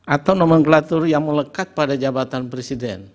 atau nomenklatur yang melekat pada jabatan presiden